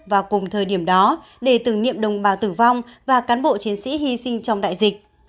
tổ chức lễ tử nghiệm đồng bào tử vong và cán bộ chiến sĩ hy sinh trong đại dịch